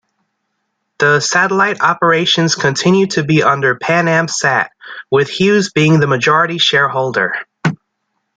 The satellite operations continued to be under PanAmSat with Hughes being the majority shareholder.